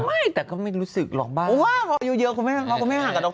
ไม่แต่ก็ไม่รู้สึกหรอกบ้าง